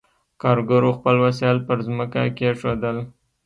کارګرو خپل وسایل پر ځمکه کېښودل.